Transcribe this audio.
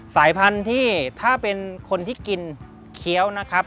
สายพันธุ์ที่ถ้าเป็นคนที่กินเขียว